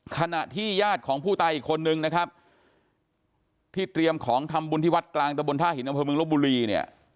ขณะที่ญาติของผู้ตายอีกคนนึงนะครับที่เตรียมของทำบุญที่วัดกลางตะบนท่าหินอำเภอเมืองลบบุรีเนี่ย